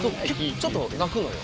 ちょっと鳴くのよ。